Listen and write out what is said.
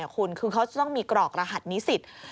คุณคือเขาต้องมีกรอกรหัสนิสิทธิ์